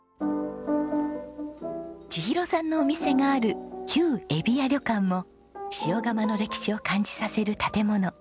千尋さんのお店がある旧ゑびや旅館も塩竈の歴史を感じさせる建物。